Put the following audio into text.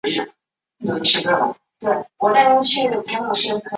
塔尼亚苏是巴西巴伊亚州的一个市镇。